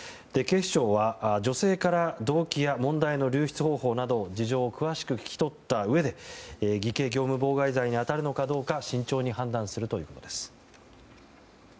警視庁は女性から動機や問題の流出方法など事情を詳しく聴き取ったうえで偽計業務妨害罪に当たるのかどうか慎重に判断するということです。